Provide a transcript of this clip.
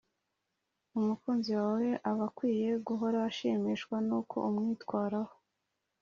umukunzi wawe aba akwiye guhora ashimishwa n’uko umwitwaraho